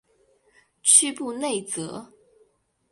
屈布内泽。